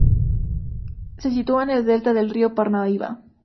Se sitúa en el delta del río Parnaíba.